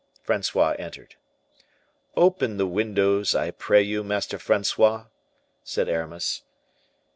Francois entered. "Open the windows, I pray you, Master Francois," said Aramis.